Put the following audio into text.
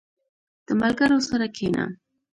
• د ملګرو سره کښېنه.